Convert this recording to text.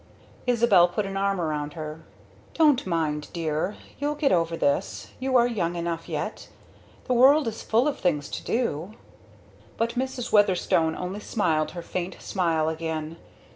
Isabel put an arm around her. "Don't mind, dear you'll get over this you are young enough yet the world is full of things to do!" But Mrs. Weatherstone only smiled her faint smile again.